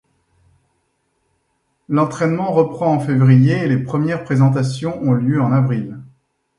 L'entraînement reprend en février et les premières présentations ont lieu en avril.